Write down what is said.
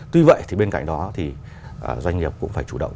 tuy vậy thì bên cạnh đó thì doanh nghiệp cũng phải chủ động